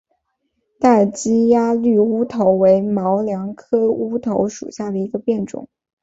截基鸭绿乌头为毛茛科乌头属下的一个变种。